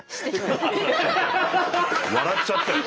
笑っちゃったよ。